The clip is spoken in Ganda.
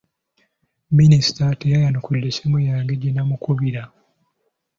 Minisita teyayanukula ssimu yange gye namukubira.